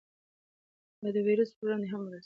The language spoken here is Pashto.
دا د ویروس پر وړاندې هم مرسته کوي.